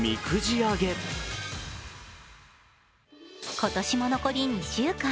今年も残り２週間。